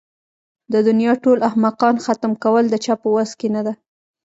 د دنيا ټول احمقان ختم کول د چا په وس کې نه ده.